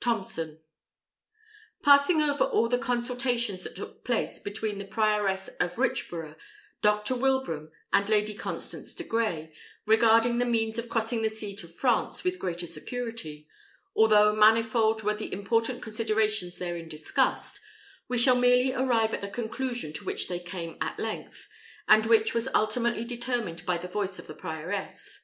Thomson. Passing over all the consultations that took place between the prioress of Richborough, Dr. Wilbraham, and Lady Constance de Grey, regarding the means of crossing the sea to France with greater security, although manifold were the important considerations therein discussed, we shall merely arrive at the conclusion to which they came at length, and which was ultimately determined by the voice of the prioress.